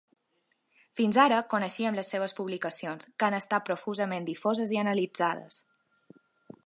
Fins ara, coneixíem les seves publicacions, que han estat profusament difoses i analitzades.